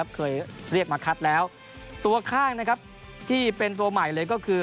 เคยเรียกมาคัดแล้วตัวข้างนะครับที่เป็นตัวใหม่เลยก็คือ